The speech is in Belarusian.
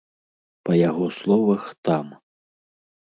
Па яго словах, там.